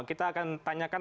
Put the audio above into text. kita akan tanyakan